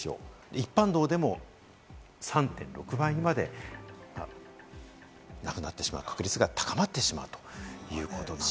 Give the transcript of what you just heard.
一般道でも３．６倍にまでなくなってしまう確率が高まってしまうということです。